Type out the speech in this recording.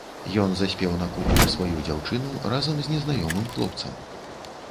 Ён заспеў на кухні сваю дзяўчыну разам з незнаёмым хлопцам.